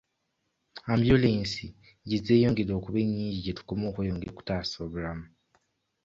Ambyulensi gye zeeyongera okuba ennyingi gye tukoma okweyongera okutaasa obulamu.